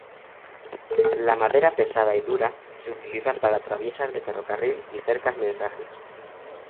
La madera pesada y dura se utiliza para traviesas de ferrocarril y cercas mensajes.